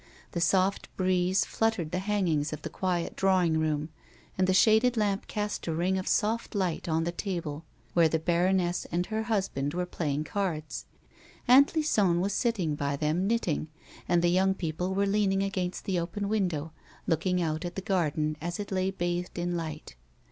The soft breeze fluttered the hangings of the quiet drawing room, and the shaded lamp cast a ring of soft light on the table where the baroness and her husband were playing cards. Aunt Lison was sitting by them knitting, and the young people were leaning against the open window, looking out at the gfrden as it lay bathed in light.